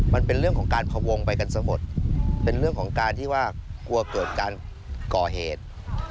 มันเป็นเรื่องของการพวงไปกันซะหมดเป็นเรื่องของการที่ว่ากลัวเกิดการก่อเหตุ